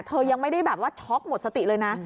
เธอยังไม่ได้แบบว่าช็อกหมดสติเลยนะ